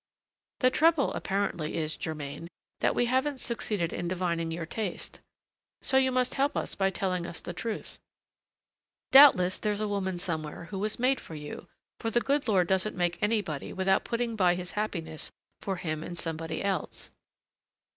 "The trouble apparently is, Germain, that we haven't succeeded in divining your taste. So you must help us by telling us the truth. Doubtless there's a woman somewhere who was made for you, for the good Lord doesn't make anybody without putting by his happiness for him in somebody else.